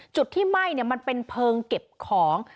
จุดที่ไหม้มันเป็นเพลิงเก็บของ